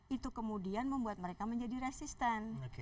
itu kemudian membuat mereka menjadi resisten